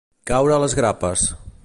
Caure a les grapes.